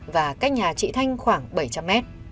và cách nhà chị thanh khoảng bảy trăm linh mét